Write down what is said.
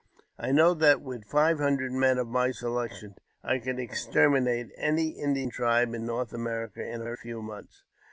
I know that with five hundred men of my selection I could exterminate any Indian tribe in North America in a very few months.